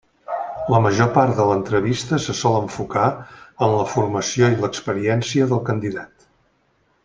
La major part de l'entrevista se sol enfocar en la formació i l'experiència del candidat.